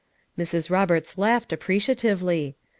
' Mrs. Roberts laughed appreciatively.